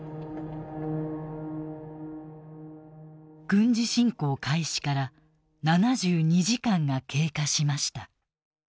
軍事侵攻開始から７２時間が経過しました。